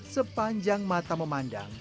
sepanjang mata memandang